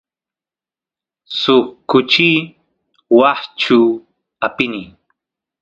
suk kuchi washchu apini